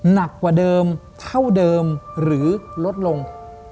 หนักกว่าเดิมเท่าเดิมหรือลดลง